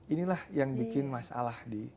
inilah yang bikin masalah di